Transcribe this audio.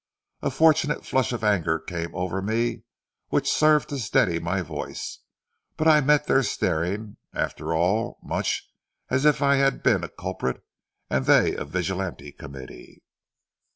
A fortunate flush of anger came over me which served to steady my voice; but I met their staring, after all, much as if I had been a culprit and they a vigilance committee.